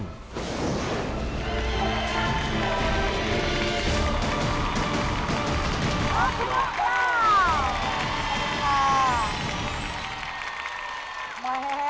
ขอบคุณครับ